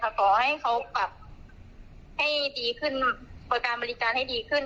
ขอให้เขาปรับให้ดีขึ้นบริการบริการให้ดีขึ้น